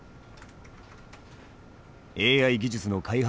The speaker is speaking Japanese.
ＡＩ技術の開発